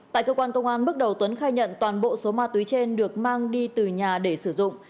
tại cơ quan công an bước đầu tuấn khai nhận toàn bộ số ma túy trên được mang đi từ nhà để sử dụng